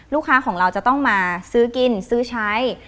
ลูกค้าของเราจะต้องมาซื้อกินซื้อใช้